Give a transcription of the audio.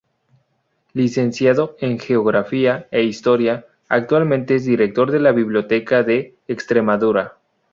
Licenciado en Geografía e Historia, actualmente es Director de la Biblioteca de Extremadura.